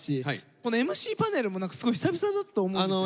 このＭＣパネルも何かすごい久々だと思うんですよ。